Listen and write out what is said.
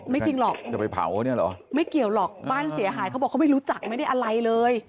ไม่จริงหรอกไม่เกี่ยวหรอกบ้านเสียหายเขาบอกเขาไม่รู้จักไม่ได้อะไรเลย